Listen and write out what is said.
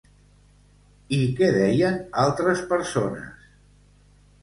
I què deien altres persones?